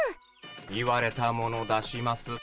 言われたもの出します。